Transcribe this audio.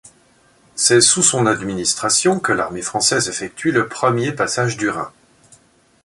C'est sous son administration que l'armée française effectue le premier passage du Rhin.